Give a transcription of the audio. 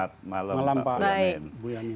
selamat malam pak boyamin